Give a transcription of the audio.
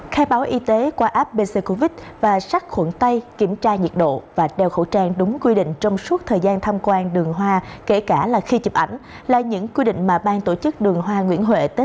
các bạn hãy đăng ký kênh để ủng hộ kênh của mình nhé